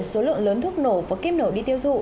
với số lượng lớn thuốc nổ và kim nổ đi tiêu thụ